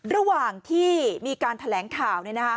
ระหว่างที่มีการแถลงข่าว